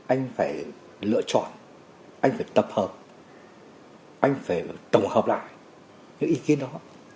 anh phải lựa chọn anh phải tập hợp anh phải tổng hợp lại cái ý kiến đó